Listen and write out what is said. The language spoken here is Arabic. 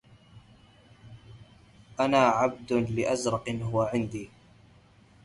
أنا عبد لأزرق هو عندي